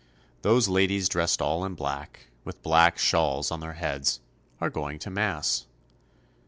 Those ladies dressed all in black, with black shawls on their heads, are going to mass.